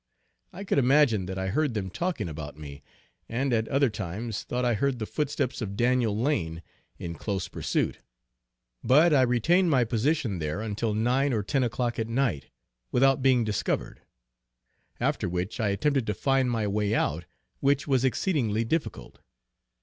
I could imagine that I heard them talking about me, and at other times thought I heard the footsteps of Daniel Lane in close pursuit. But I retained my position there until 9 or 10 o'clock at night, without being discovered; after which I attempted to find my way out, which was exceedingly difficult.